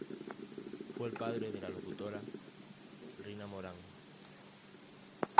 Fue el padre de la locutora Rina Morán.